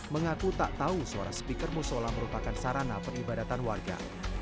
mengaku tak tahu suara speaker musola merupakan sarana peribadatan warga